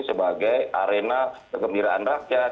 sebagai arena kegembiraan rakyat